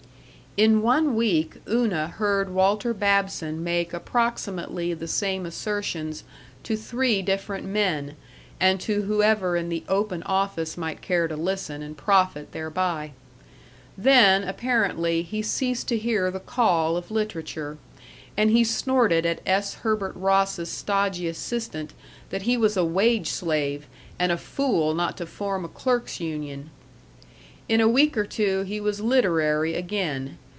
In one week Una heard Walter Babson make approximately the same assertions to three different men, and to whoever in the open office might care to listen and profit thereby. Then, apparently, he ceased to hear the call of literature, and he snorted at S. Herbert Ross's stodgy assistant that he was a wage slave, and a fool not to form a clerks' union. In a week or two he was literary again.